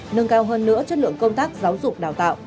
nâng cao hơn nữa chất lượng công tác giáo dục đào tạo